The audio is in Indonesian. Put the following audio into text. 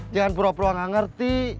jangan pura pura nggak ngerti